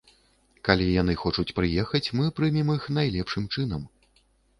Калі яны хочуць прыехаць, мы прымем іх найлепшым чынам.